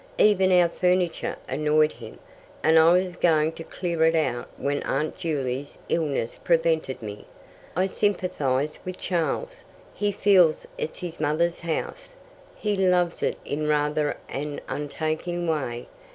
"Even our furniture annoyed him, and I was going to clear it out when Aunt Juley's illness prevented me. I sympathize with Charles. He feels it's his mother's house. He loves it in rather an untaking way.